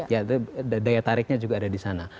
yaitu daya tariknya juga ada di sana